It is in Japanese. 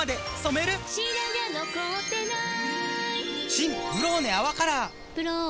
新「ブローネ泡カラー」「ブローネ」